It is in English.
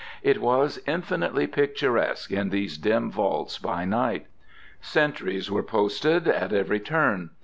It was infinitely picturesque in these dim vaults by night. Sentries were posted at every turn.